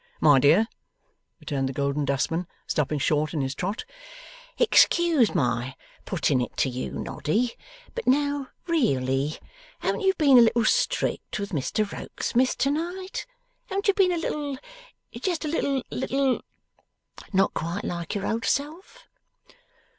'My dear,' returned the Golden Dustman, stopping short in his trot. 'Excuse my putting it to you, Noddy, but now really! Haven't you been a little strict with Mr Rokesmith to night? Haven't you been a little just a little little not quite like your old self?